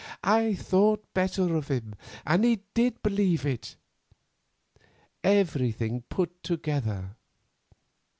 I thought better of him, and he did believe it)—everything put together.